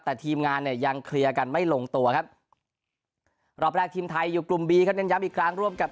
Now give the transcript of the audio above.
แต่ทีมงานเนี่ยยังเคลียร์กันไม่ลงตัวครับรอบแรกทีมไทยอยู่กลุ่มบีครับเน้นย้ำอีกครั้งร่วมกับ